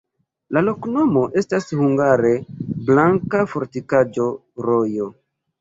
La loknomo estas hungare: blanka-fortikaĵo-rojo.